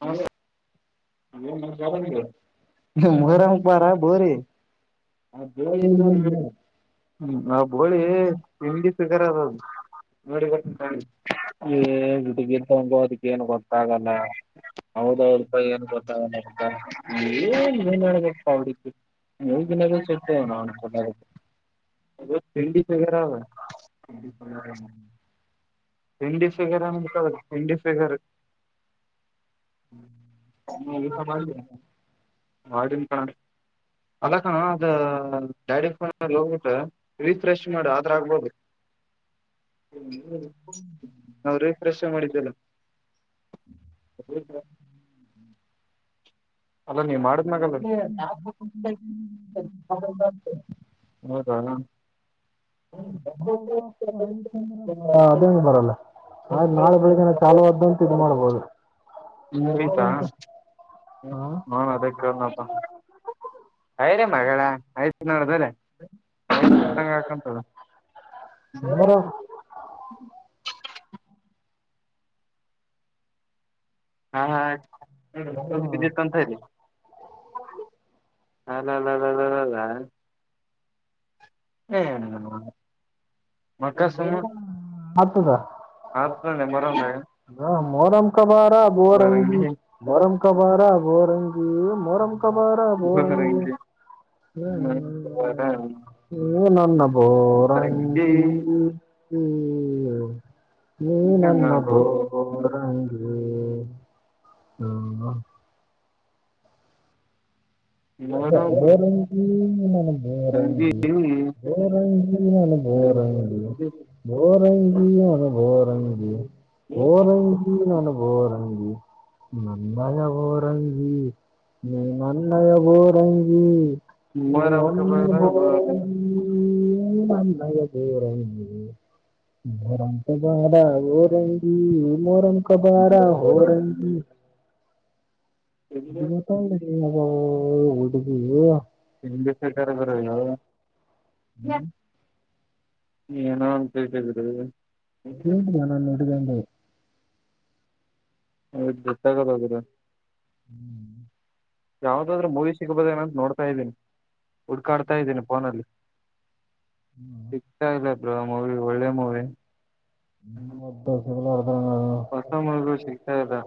how ರಂ ಪಾರ ಬೋರಿ ಆ ಬೋಳಿ ತಿಂಡಿ ಸುಗರ್ ಅದದು [unintelligible] ಗಡ್ಗರ್ ತಂಗೋ ಅದಕ್ಕೇಏನ್ ಗೊತ್ತಾಗಲ್ಲ ಹೌದೌದು ಪ ಏನ್ ಗ ಏ ನೀಏನ್ ಹಬೇಕಪ್ಪಾ ಅವಡಕ್ಕೆ ಮೂ ದಿನದೂ ಸತೇ ನಾನ್ ಚನ್ನದ [unintelligible] ಅದ ತಿಂಡಿ ಫಿಗರ್ ಅವ ತಿಂಡಿ ಫಿಗರ್ ಅ ತಿಂಡಿ ಫಗರ್ ಹ್ಮ್ ಹ ಇ ಸಬ [unintelligible] ಆಡಿನ ಕ ಅಲ್ಲಕಣ ಅದ ಡ್ಯಾಡಿಫೋನ್ ಹೋಗ್ಬಿಟ್ಟ ರೀಫ್ರೆಶ್ ಮಾಡ ಆದ್ರ ಆಗ್ಬೋದು ನ ರೀಫ್ರೆಶ್ ಮಾಡಿದಲ್ಲ ಅಲ್ಲ ನೀ ಮಾಡಿದ್ಮಾಗಲ್ಲ ಹೌದಾ ಅದಂ ಬರಲ್ಲ ಆದ ನಾಳೆ ಬೆಳಗ್ನ ಚಾಲುವಾದ್ದಂತ ಇದ ಮಾಡ್ಬೋದು ಮುಗಿತಾ ಹ ಹಾ ಅದೇ ಕೇಳ್ನಪ್ಪ ಐರೆ ಮಗಳ ಆಯ್ತ್ ನೋಡ್ದಲೆ ಹೊಡ್ದಂಗ ಹಾಕಂತದ ನೂರು ಹಾ ಹಾ ಬಿದ್ದಿತ್ತು ಅಂತ ಹೇಳಿ ಅಲ್ಲ ಲ್ಲ ಲಲಲ ಲಾ [inaudible] ಸುಮ್ಮ ಹತದ ಆತನೆ ಮರಂದಾಗ ಮೊರಂ ಕಬಾರ ಬೋರಂಗಿ ಬರಂಗಿ ಮೊರಂ ಕಬಾರ ಬೋರ್ಂಗ ಈ ಮೋರಂ ಬಾರ ಬೋರಂಗಿ ಬರಂಗಿ ಹ್ಮ ನನ್ನ ಬೋರಂಗಿ ಹ್ಮ್ ನೀ ನನ್ನ ಬರಂಗಿ ಬೋರಂಗಿ [inaudible] ಯಾರೋ ಒಬ್ಬ ಬೋರಂಗಿ [unintelligible] ತಂಗಿ ಬೋರಂಗಿ ಬೋರಂಗಿ ಬೋರಂಗಿ ಬೋರಂಗಿ ಪ್ರೀತಿಯ ಓರಂಗಿ ಬೋರಂಗಿ ನನ್ನ ಓರಂಗಿ ನನ್ನಯ ಓರಂಗಿ ನಿನ್ ನನ್ನಯ ಓರಂಗಿ ಮೂವರ ಅಂಕ ಓರಂಗಿ ನೀನು ನನ್ನಯ ಓರಂಗಿ [inaudible] ಪಾದ ಬೋರಂಗಿ ಮೋರಂ ಕಬಾರ ಓರಂಗಿ [inaudible] ಓ ಹುಡುಗಿ [inaudible] ಹ್ಮ್ ಏನೋ ಅಂತೇತಿದ್ರಿ ಏನಿಲ್ಲ ನನ್ನ ಹುಡುಗಿಗೆ ಹೌದು ಗೊತ್ತಾಗ ಹೋಗದ [inaudible] ಯಾವ್ದಾದಾದ್ರು ಮೂವಿ ಸಿಗ್ಬೋದೇಏನಂತ ನೋಡ್ತಾ ಇದ್ದೀನಿ ಹುಡ್ಕಾಡ್ತಾ ಇದ್ದೀನಿ ಫೋನಲ್ಲಿ ಸಿಗ್ತಾಇಲ್ಲ ಬ್ರೊ ಮೂವಿಗಳು ಒಳ್ಳೆ ಮೂವಿ ಒಬ್ಬ [inaudible] ಹೊಸ ಮೂವಿಗಳು ಸಿಗ್ತಯಿದೆ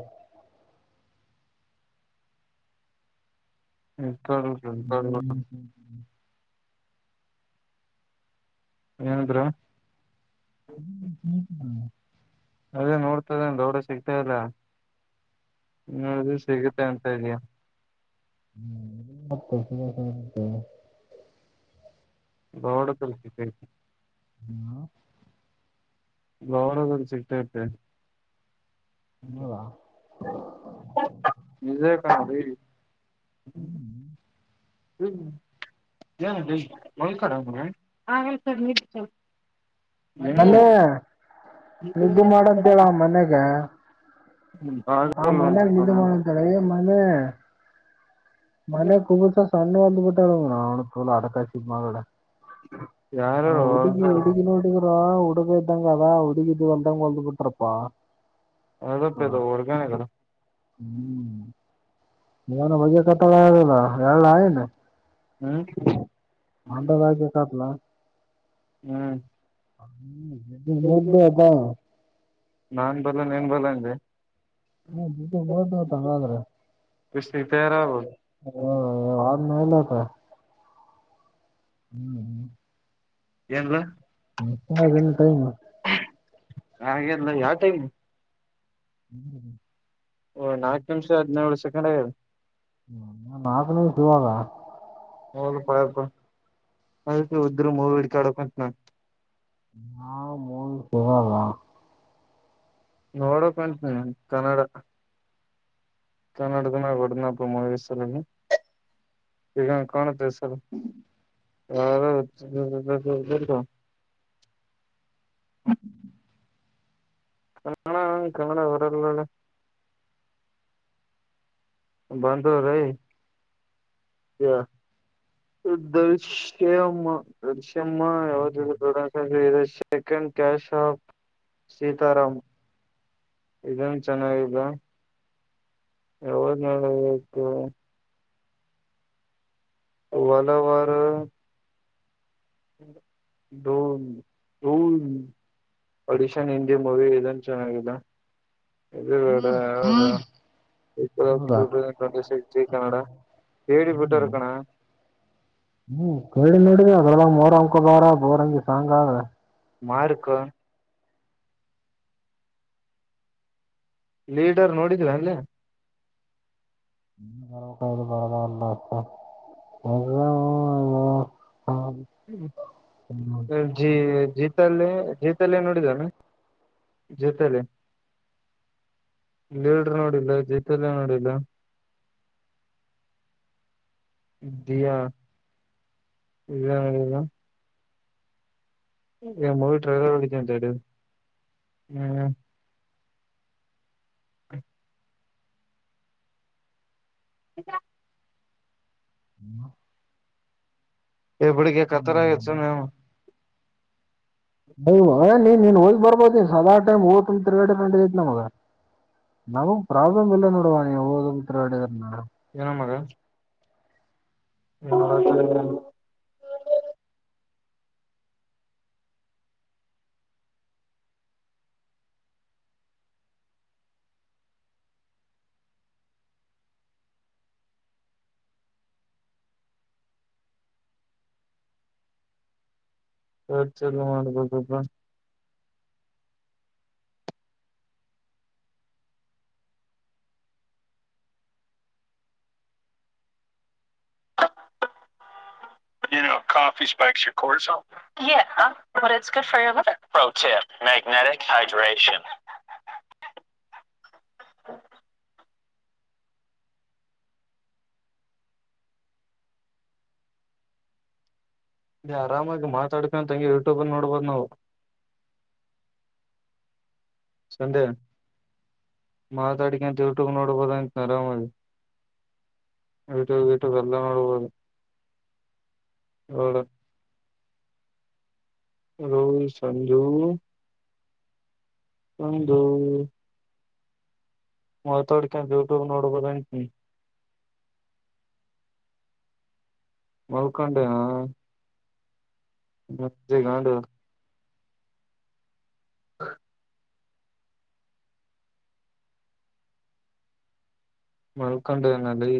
ಹ್ಮ್ [inaudible] ಏನ್ ಬ್ರೋ [inaudible] ಅದೇ ನೋಡ್ತದೆ ದೊಡ ಸಿಗ್ತಲ್ಲ ಹದು ಸಿಗುತ್ತೆ ಅಂತ ಇಲ್ಲಿ ಹ್ಮ್ ಮತ್ತು [unintelligible] ಗೋಡ ಕಳಷ ಹ್ಮ ಗೋರ ಚಿಟ್ಟಟ್ಟೆ ನಿಜೇ ಕೀ [unintelligible] ಹ್ಮ್ ಒಳ್ಕಡ [unintelligible] ಮನೇ ನಿದ್ದೆ ಮಾಡಂತ ಹೇಳ ಮನೆಗ ಹ ಮನೆಗ ಅಂತೆ ಕಣ ನಿದ್ದು ಮಾಡಂತ ಮನೆ ಮನೆ ಕಬುಸ ಬಂದ ಬಿ [unintelligible] ಟ್ಟ ತ ಅ ಕಾಶಿಡೆ ಯಾರು ಹಾ ಹುಡುಗಿ ಹುಡುಗಿ ನೋಡಿ ಉಡುಗ ಇದ್ದಂಗಾ ಉಡುಗ ಇದ ಒಲದಂಗ ಒಲದು ಬಿಟರಪ್ಪ ಅದಪ್ಪದು ಹಡ್ಗನೆ ಹ್ಮ್ ನಿವಾನ ಬಗ್ಗೆ ಕತ್ತಳಲ್ಲ ಎರಲ್ಲ ಆಯನ್ ಹ್ಮ್ ಮಟ ಬಕ ಕತ್ಲ ಹ್ಮ್ ಹ್ಮ್ ನಿ ಮುಂದು ಹಬ್ಬ ನಾನ್ ಬಲ್ಲ ನೀನ್ ಬಲ್ಲ ಅಂದೆ ಹ್ಮತ್ರ ಇಷ್ಟಿಗೆ ತಯಾರಾಗಬೋದು [unintelligible] ಲ್ಲತ ಹ್ಮ್ [unintelligible] ಏಲ್ಲ ಮಿಸ್ಸಾಗಿನ್ ಟೈಮ್ ಹಾಗೆಲ್ಲ ಯಾವ ಟೈಮ್ ಹ್ಮ್ ಓ ನಾಕ ನಿಮಷ ಹದಿನೇಳು [unintelligible] ನನ್ ಆಕನೇ ಶುವಾಗ ಹೌದಪ್ಪ ಯಪ್ಪ ಅದ ಉದ್ರಿ ಮೂವ ಹಿಡ್ಕಾಡಕುಂತೀನಿ ನಾವು ತೊಗೋಲ್ಲ ನೋಡಕುಂತಿನಿ ಕನ್ನಡ ಕನ್ನಡುಗನ ಕೊಡನಾ ಮಲ ಈಗ ಕಣ [unintelligible] ಹಲೋ [inaudible] [unintelligible] [unintelligible] ಕನ್ನಡ ಕನ್ನಡ ಬರಲ್ಲಲ್ಲ ಬಾಧ್ರ ರೈ ದೃಶ್ಯ [unintelligible] ಮ್ಮ ಯಾವ್ದ production second case of Seetharam ಇದನ್ ಚೆನ್ನಾಗಿದೆ ಯವಧ ನೋಡ್ಬೇಕು ಒಲವರ ಡೂ ಡೂ ಅಡಿಷನ್ ಇಂಡಿ ಮೂವಿ ಇದನ್ ಚೆನ್ನಾಗಿದೆ ಇದು ಯದ ಇ ಟೂ ತೌಸ್ ಹೌದಾ [unintelligible] ಟ್ವೆಂಟಿಸ್ ಜಿ ಕನ್ನಡಾ ಕೆಡಿ ಬಿಟ್ಟರ್ ಕಣೋ ಇಂಗ ಮೋರಂ ಕೆ ಬಾರೋ ಬಾರ ಬೋರಂಗಗೆ ಸಾಂಗ್ ಮಾರ್ಕ ಲೀಡರ್ ನೋಡಿದ್ರಾ ಅಲ್ಲೇ ಬರಬೇಕು [inaudible] ಬರದಾಗವಲ್ದು ಒಟ್ಟ ಹ್ಮ ಜೀ ಜೀತಲ್ಲ ಜೀತಲ್ಲ ನೋಡಿದಾನ ಜತಲೆ ಲೀಡರ್ ನೋಡಿಲ್ಲ ಜತಲೆ ನೋಡಿಲ್ಲ [inaudible] ದಿಯಾ ವೈಡ್ ನೋಡಿಲ್ಲ ಮೂವಿ ಟ್ರೈಲರ್ ನೋಡಿನಿ ಜತೆನ್ [unintelligible] ಹ್ಮ್ [inaudible] ಎ ಬಿಡು ಗೆ ಕತ್ತಲು ಆಗ್ಯದ ಸುಮ್ನೆ ಓಡಾಡ್ನಿ ನೀನ್ ಹಓದ್ ಬರ್ಬೋದ ಸದಾ ಟೈಮ್ ಓದ್ ತಿಗಡೆೈತ್ ನಮಗ ನಮಗ್ ಪ್ರಾಬ್ಲಮ ಇಲ್ಲ ನೋಡುವ ನೀವು ದ್ ತಿಗಡಿ ಏನ ಮಗ ಹಾ ಹ ಚಾಲು ಮಾಡಬೇಕ್ ಪಾ [unintelligible] ಇ ಆರಾಮಾಗಿ ಮಾತಾಡ್ಕೊಂತಂಗಗೆ ಯೂಟ್ಯೂಬಲ್ಲಿ ನೋಡ್ಬೋದು ನಾವು ಸಂಡೇ ಮಾತಾಡಿಕಂತ ಯೂಟ್ಯೂಬ್ ನೋಡ್ಬೋದ ಅಂತ ಆರಾಮಆಗಿ ಯೂಟ್ಯೂಬ್ ಯೂಟ್ಯೂಬ್ ಎಲ್ಲ ನೋಡ್ಬೋದು ಅ ಸಂಜು ಒಂದು [inaudible] ಮಾತಾಡ್ಕ ಯೂಟ್ಯೂಬ್ ನೋಡ್ಬದಟ ಮಲ್ಕಾಂಡ ಹ ಮತ್ತಗದ ಹ [inaudible] ಮಳಕಂಡನಲ್ಲಿ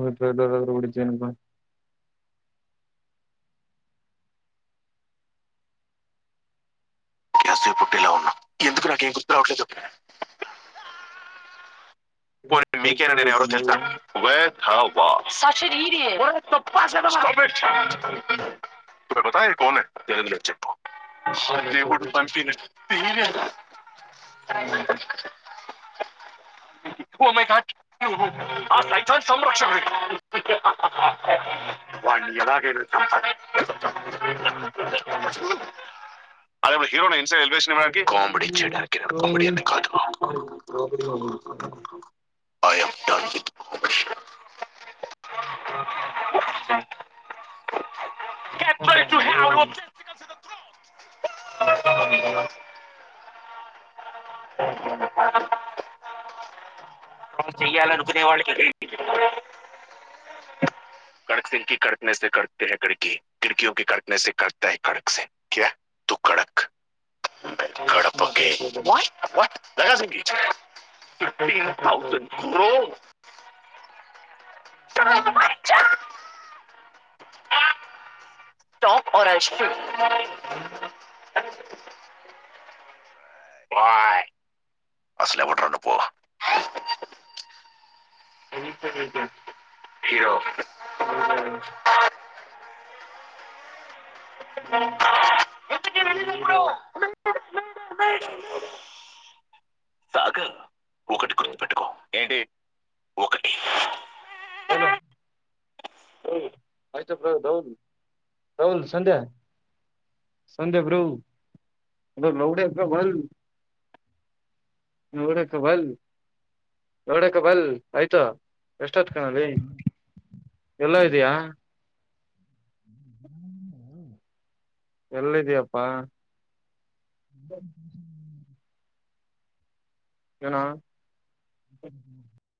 ಹಪರಗೂಡಮ್ಮ [unintelligible] ಗ್ಯಾಸ್ ಪುಟ್ಟಿ ಇಲ್ಲ ಉನ್ನ ಎಕ ನಕೇನು ಗರ್ುರಾವಟ್ಲದುಪ್ಪ [unintelligible] [unintelligible] [inaudible] ಎ ಅದ ಹೀರೋ ಇನ್ಸ ಎೇಷನ್ ಕಾಮಡಿ [unintelligible] ಕೆ ಚ [inaudible] [unintelligible] ಕಡಕ ಸಿಂಗ ಕಕನೆ ಕತ ಕಡಕ ಕಿಡಕಿಯ ಕಕನೆ ಕತ ಕಡಕ ಸಿ ತ ಕಡಕ ಕ ಸಿ [unintelligible] ಹೌದು ರ ಪ್ ಅಸಲ ಟ ಪ ಹರೋ ಎ ಹ ಸಾಾಗ ಎಟಿ ಅಷ್ಟ ಪ್ರೌನ್ ರೌಲ್ ಸಂಧ್ಯಾ ಸಂಧ್ಯಾ ಬ್ರೂೌ ಬಲ್ಡಕ ಬಲ್ಡಕ ಬಲ್ ಆಯ್ತಾ ಎಷ್ಟೊತ್ ಕಣಲ್ಲಿ ಎಲ್ಲ ಇದಯಾ ಎಲ್ಲಿದ್ಯಪ್ಪಾ ಹ್ಮ ಹ್ಮ ಹ್ಮ್ ನ ಹ್ಮ